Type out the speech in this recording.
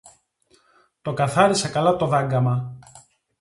Το καθάρισα καλά το δάγκαμα